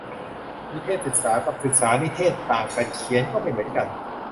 นิเทศศึกษา กับศึกษานิเทศก์ ต่างกัน เขียนก็ไม่เหมือนกัน